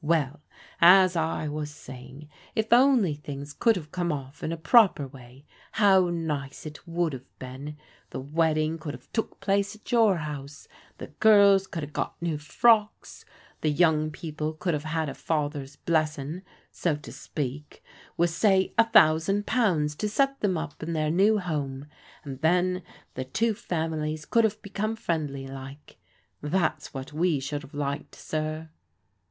Well, as I was saying, if only things could have come oflf in a proper way, how nice it would have been. The wedding could have took place at your house, the girls coiild 'a' got new frocks, the young people could have had a father's blessin', so to speak, with say a thousand pounds to ^t them up in their new home, and then the two families could have become friendly like. That's what we should have liked, sir."